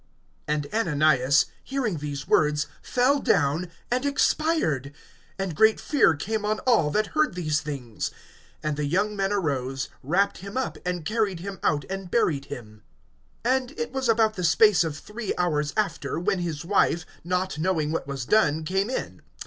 (5)And Ananias hearing these words fell down, and expired; and great fear came on all that heard these things. (6)And the young men arose, wrapt him up, and carried him out[5:6], and buried him. (7)And it was about the space of three hours after, when his wife, not knowing what was done, came in.